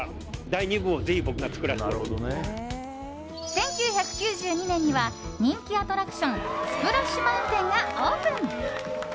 １９９２年には人気アトラクションスプラッシュ・マウンテンがオープン。